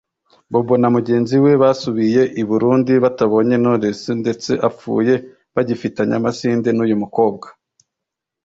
Bobo na mugenzi we basubiye i Burundi batabonye Knowless ndetse apfuye bagifitanye amasinde n’uyu mukobwa